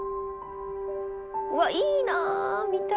うわっいいな見たい。